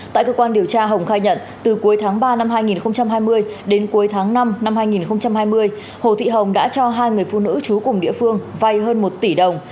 tại cơ quan điều tra hồng khai nhận từ cuối tháng ba năm hai nghìn hai mươi đến cuối tháng năm năm hai nghìn hai mươi hồ thị hồng đã cho hai người phụ nữ trú cùng địa phương vay hơn một tỷ đồng